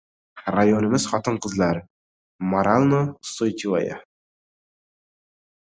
Rayonimiz xotin-qizlari moralno-ustoychivaya!